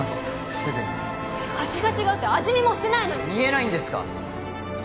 すぐに味が違うって味見もしてないのに見えないんですか？